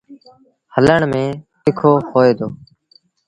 هلڻ ميݩ تکو هوئي دو۔